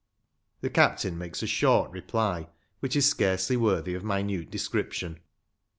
The captain makes a short reply, which is scarcely worthy of minute description.